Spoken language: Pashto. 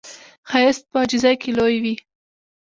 ښایست په عاجزۍ کې لوی وي